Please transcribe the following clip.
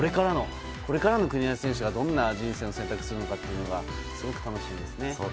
これからの国枝選手がどんな人生の選択をするのかがすごく楽しみですね。